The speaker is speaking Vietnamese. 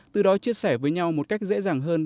từ đó chia sẻ với nhau một cách dễ dàng hơn